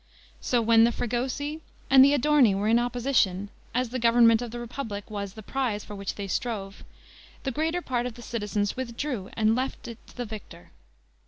So when the Fregosi and the Adorni were in opposition, as the government of the republic was the prize for which they strove, the greater part of the citizens withdrew and left it to the victor.